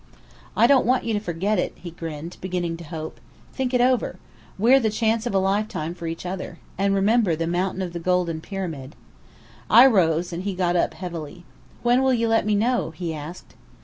"I don't want you to forget it," he grinned, beginning to hope. "Think it over. We're the chance of a lifetime for each other. And remember the Mountain of the Golden Pyramid." I rose, and he got up heavily. "When will you let me know?" he asked.